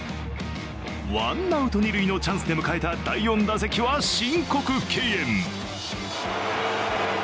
ワンアウト二塁のチャンスで迎えた第４打席は申告敬遠。